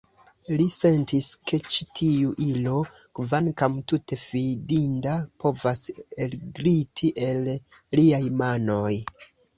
Li sentis, ke ĉi tiu ilo, kvankam tute fidinda, povas elgliti el liaj manoj.